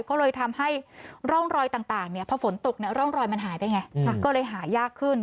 ก็เลยทำให้ร่องรอยต่างพอฝนตกร่องรอยมันหายได้ไงก็เลยหายากขึ้น